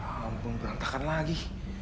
ampun berantakan lagi